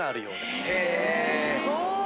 すごい。